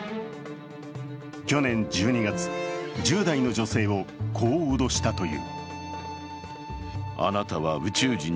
去年１２月、１０代の女性をこう脅したという。